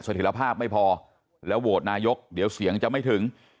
ถียรภาพไม่พอแล้วโหวตนายกเดี๋ยวเสียงจะไม่ถึง